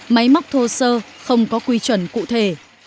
máy móc thô sơ không có quy chuẩn cụ thể